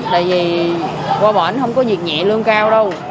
tại vì qua bển không có việc nhẹ lương cao đâu